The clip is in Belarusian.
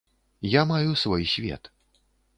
Я маю свой свет.